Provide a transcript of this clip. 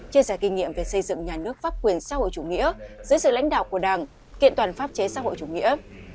chia sẻ kinh nghiệm về xây dựng nhà nước pháp quyền xã hội chủ nghĩa dưới sự lãnh đạo của đảng kiện toàn pháp chế xã hội chủ nghĩa